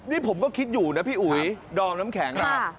นี่ผมก็คิดอยู่นะพี่อุ๋ยดอมน้ำแข็ง